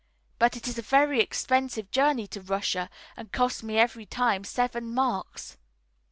But it is a very expensive journey to Russia, and costs me every time seven marks."